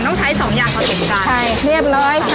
ต้องใช้สองอย่างผสมกัน